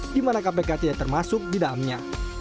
di mana kpk tidak termasuk di dalamnya